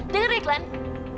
dengar ya glenn